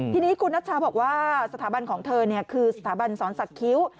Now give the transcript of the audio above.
ทีนี้คุณนัชชาบอกว่าสถาบันของเธอคือสถาบันสอนสักคิ้ว